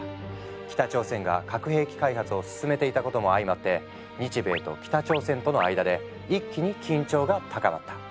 北朝鮮が核兵器開発を進めていたことも相まって日米と北朝鮮との間で一気に緊張が高まった。